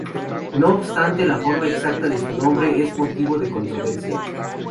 No obstante, la forma exacta de su nombre es motivo de controversia.